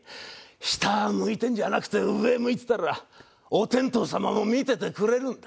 下向いてんじゃなくて上向いてたらお天道様も見ててくれるんだ。